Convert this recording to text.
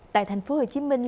tại thành phố hồ chí minh